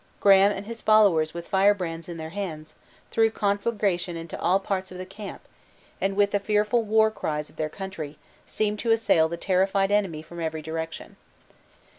Graham and his followers with firebrands in their hands, threw conflagration into all parts of the camp, and with the fearful war cries of their country, seemed to assail the terrified enemy from every direction.